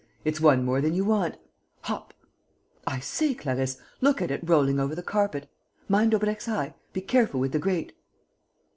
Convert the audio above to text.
It's one more than you want. Hop! I say, Clarisse, look at it rolling over the carpet! Mind Daubrecq's eye! Be careful with the grate!"